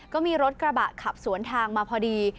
ก็มีรถกระบะขับสวนทางมาพอดี